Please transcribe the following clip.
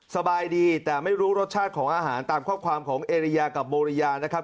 สบายดีแต่ไม่รู้รสชาติของอาหารตามข้อความของเอริยากับโบริยานะครับ